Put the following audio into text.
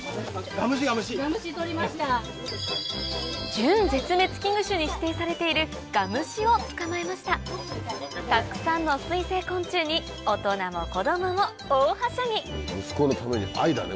準絶滅危惧種に指定されているガムシを捕まえましたたくさんの水生昆虫に大人も子供も大はしゃぎ息子のために愛だね。